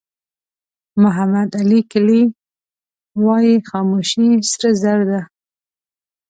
محمد علي کلي وایي خاموشي سره زر ده.